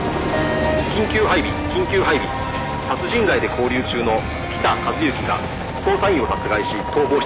「緊急配備緊急配備」「殺人罪で勾留中の北一幸が捜査員を殺害し逃亡した模様」